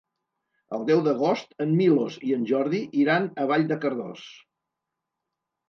El deu d'agost en Milos i en Jordi iran a Vall de Cardós.